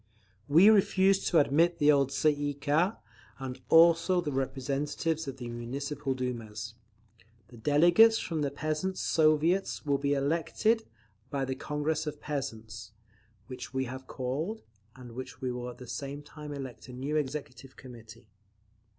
"We refuse to admit the old Tsay ee kah, and also the representatives of the Municipal Dumas. The delegates from the Peasants' Soviets shall be elected by the Congress of Peasants, which we have called, and which will at the same time elect a new Executive Committee.